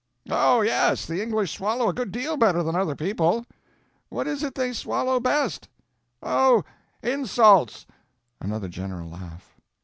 "Oh, yes, the English swallow a good deal better than other people." "What is it they swallow best?" "Oh, insults." Another general laugh.